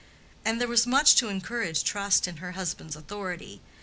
And there was much to encourage trust in her husband's authority.